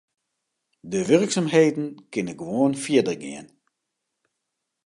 De wurksumheden kinne gewoan fierder gean.